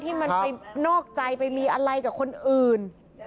ที่มันไปนอกใจไปมีอะไรกับคนอื่น